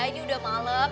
ini udah malem